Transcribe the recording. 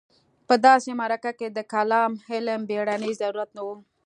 په داسې معرکه کې د کلام علم بېړنی ضرورت نه و.